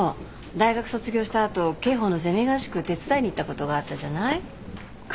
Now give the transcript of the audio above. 大学卒業した後刑法のゼミ合宿手伝いに行ったことがあったじゃない？